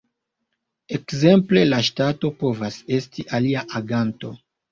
Ekzemple la ŝtato povas esti alia aganto.